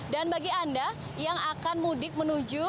dan bagi anda yang akan mudik menuju